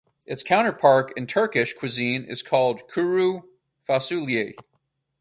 Its counterpart in Turkish cuisine is called kuru fasulye.